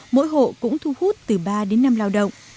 mỗi hộ cũng thu hút từ ba đến năm lao động